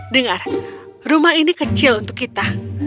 dengar rumah ini kecil untuk kita